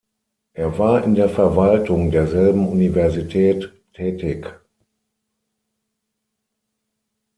Er war in der Verwaltung der derselben Universität tätig.